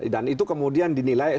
dan itu kemudian dinilai